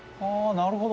なるほど。